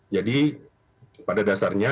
jadi pada dasarnya